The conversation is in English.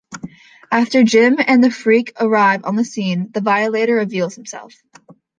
After Jim and the Freak arrive on the scene, the Violator reveals himself.